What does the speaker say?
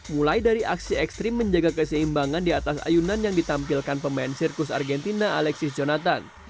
mulai dari aksi ekstrim menjaga keseimbangan di atas ayunan yang ditampilkan pemain sirkus argentina alexis jonathan